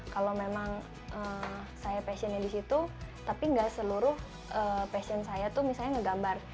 kalau memang saya passionnya di situ tapi nggak seluruh passion saya tuh misalnya ngegambar